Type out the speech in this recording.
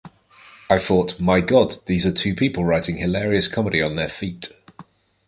I thought, My God, these are two people writing hilarious comedy on their feet!